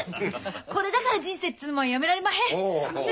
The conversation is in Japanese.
これだから人生っつうもんはやめられまへん。ね！